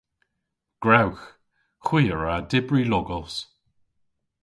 Gwrewgh. Hwi a wra dybri logos.